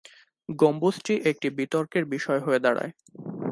গম্বুজটি একটি বিতর্কের বিষয় হয়ে দাড়ায়।